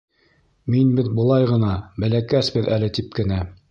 Мин бит былай ғына, бәләкәсбеҙ әле тип кенә...